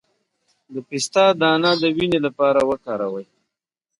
د پسته دانه د وینې لپاره وکاروئ